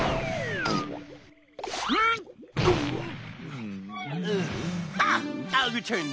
うん？